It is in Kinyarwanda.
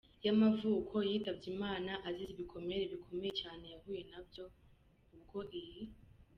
yamavuko, yitabye Imana azize ibikomere bikomeye cyane yahuye nabyo ubwo iyi.